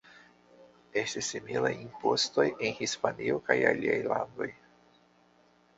Estis similaj impostoj en Hispanio kaj aliaj landoj.